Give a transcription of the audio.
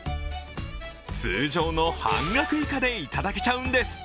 通常の半額以下でいただけちゃうんです。